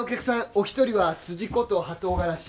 お一人は筋子と葉唐辛子